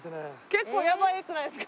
結構やばくないですか？